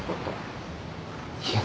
いや。